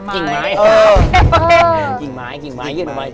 หง่าไม้แหละเออ